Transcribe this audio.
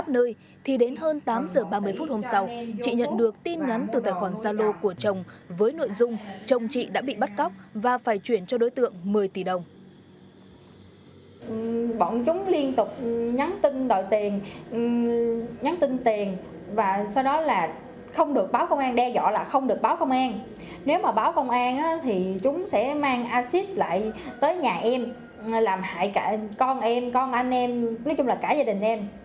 nếu mà báo công an bận chúng biết là giết anh cảnh liền